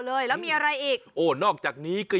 สุดยอดน้ำมันเครื่องจากญี่ปุ่น